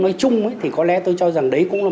nói chung thì có lẽ tôi cho rằng đấy cũng là